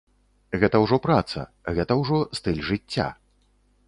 Гэта ўжо праца, гэта ўжо стыль жыцця.